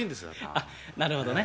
あっなるほどね。